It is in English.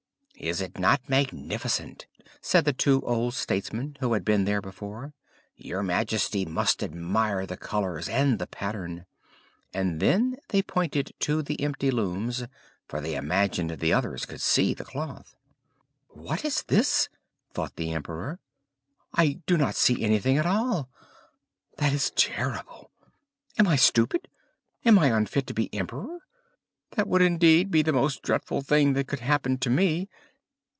"Is it not magnificent?" said the two old statesmen who had been there before. "Your Majesty must admire the colours and the pattern." And then they pointed to the empty looms, for they imagined the others could see the cloth. "What is this?" thought the emperor, "I do not see anything at all. That is terrible! Am I stupid? Am I unfit to be emperor? That would indeed be the most dreadful thing that could happen to me."